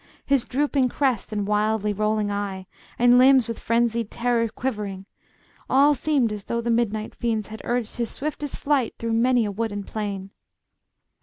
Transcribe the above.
His drooping crest and wildly rolling eye, And limbs with frenzied terror quivering, All seemed as though the midnight fiends had urged His swiftest flight through many a wood and plain.